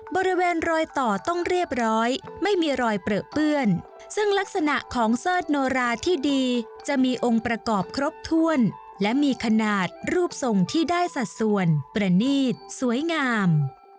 บริเวณรอยต่อต้องเรียบร้อยไม่มีรอยเปลือเปื้อนซึ่งลักษณะของเสิร์ชโนราที่ดีจะมีองค์ประกอบครบถ้วนและมีขนาดรูปทรงที่ได้สัดส่วนประนีตสวยงาม